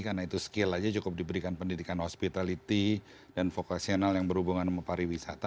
karena itu skill aja cukup diberikan pendidikan hospitality dan vokasional yang berhubungan dengan pariwisata